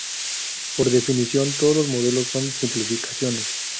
Por definición, todos los modelos son simplificaciones.